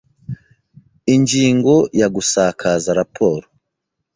Ingingo ya Gusakaza raporo